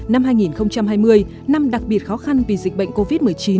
năm hai nghìn hai mươi năm đặc biệt khó khăn vì dịch bệnh covid một mươi chín